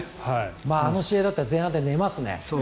あの試合だったら前半で寝ますね。